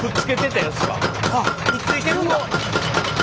あっくっついてるんだ。